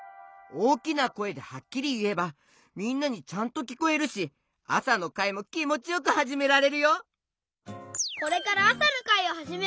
おおきなこえではっきりいえばみんなにちゃんときこえるしあさのかいもきもちよくはじめられるよ！